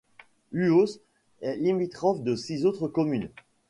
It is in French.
Huos est limitrophe de six autres communes.